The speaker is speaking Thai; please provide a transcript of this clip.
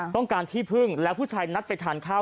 ต้องการที่พึ่งแล้วผู้ชายนัดไปทานข้าว